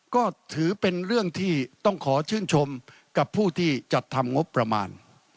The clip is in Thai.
ก็ถือเป็นเรื่องที่ต้องขอชื่นชมกับผู้ที่จัดทำงบประมาณ